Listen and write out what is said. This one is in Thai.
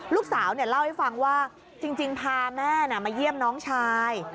ลูกสาวเล่าให้ฟังว่าจริงพาแม่มาเยี่ยมน้องชาย